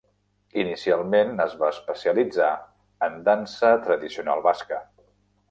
Inicialment es va especialitzar en dansa tradicional basca.